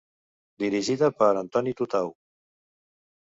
Dirigida per Antoni Tutau.